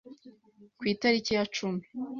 Ku itariki ya cumi